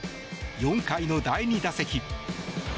４回の第２打席。